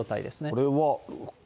これは？